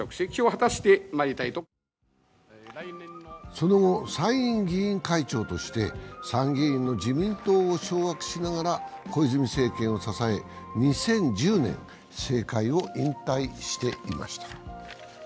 その後、参院議員会長として参議院の自民党を掌握しながら小泉政権を支え、２０１０年、政界を引退していました。